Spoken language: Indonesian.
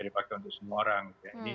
dipakai untuk semua orang